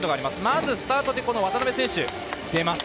まず、スタート渡辺選手、出ます。